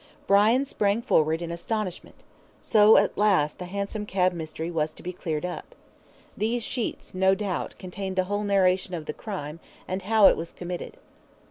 Brian sprang forward in astonishment. So at last the hansom cab mystery was to be cleared up. These sheets, no doubt, contained the whole narration of the crime, and how it was committed.